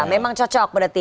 memang cocok berarti